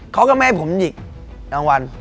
เขาก็ไม่ให้ผมหยิกรางวัล